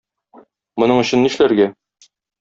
Моның өчен нишләргә?